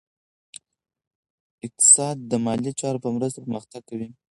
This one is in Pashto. اقتصاد د مالي چارو په مرسته پرمختګ کوي.